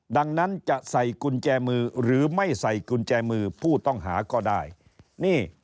ดังนั้นจะใส่กุญแจมือหรือไม่ใส่กุญแจมือผู้ต้องหาก็ได้นี่